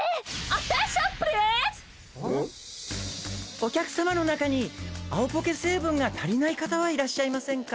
お客様の中に青ポケ成分が足りない方はいらっしゃいませんか？